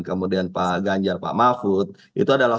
kemudian pak ganjar pak mahfud itu adalah